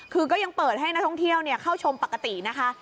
คือก็ยังเปิดให้นักท่องเที่ยวเข้าชมปกตินะคะ